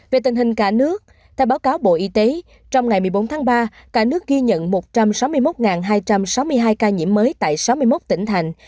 về tình hình cả nước theo báo cáo bộ y tế trong ngày một mươi bốn tháng ba cả nước ghi nhận một trăm sáu mươi một hai trăm sáu mươi hai ca nhiễm mới tại sáu mươi một tỉnh thành